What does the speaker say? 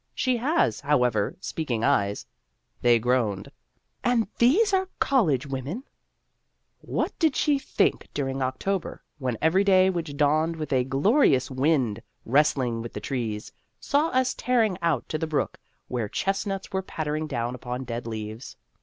She has, how ever, speaking eyes ; they groaned, " And these are college women !" What did she think during October, when every day which dawned with a glo rious wind wrestling with the trees, saw us tearing out to the brook, where chest nuts were pattering down upon dead leaves